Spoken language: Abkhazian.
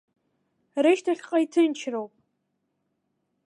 Рышьҭахьҟа иҭынчроуп.